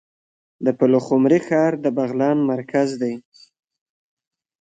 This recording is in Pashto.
د پلخمري ښار د بغلان مرکز دی